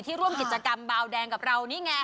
ร่วมกิจกรรมบาวแดงกับเรานี่ไง